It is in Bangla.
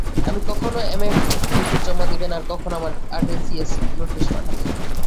আপনি কখন এমএফ রিপোর্ট জমা দিবেন আর কখন আমরা আরসিএস নোটিশ পাঠাব?